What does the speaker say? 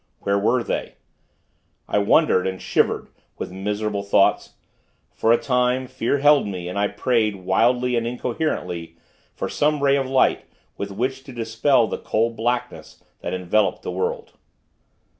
Where were they? I wondered and shivered with miserable thoughts. For a time, fear held me, and I prayed, wildly and incoherently, for some ray of light with which to dispel the cold blackness that enveloped the world.